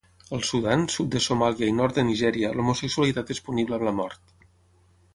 Al Sudan, sud de Somàlia i nord de Nigèria, l'homosexualitat és punible amb la mort.